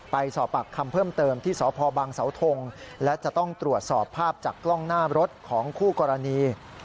ไปสอบปากคำเพิ่มเติมที่สพบังเสาทงและจะต้องตรวจสอบภาพจากกล้องหน้ารถของคู่กรณี